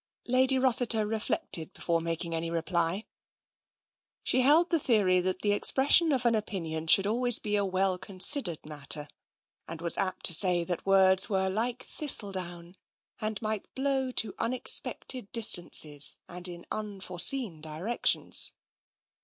Lady Rossiter reflected before making any reply. TENSION 143 She held the theory that the expression of an opinion should always be a well considered matter, and was apt to say that words were like thistledown and might blow to unsuspected distances and in unforeseen di rections.